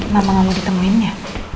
mama gak mau ditemuin ya